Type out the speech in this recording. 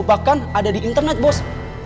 bahkan ada di internet bos